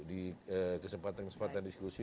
di kesempatan kesempatan diskusi